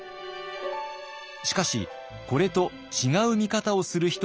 しかしこれと違う見方をする人がいます。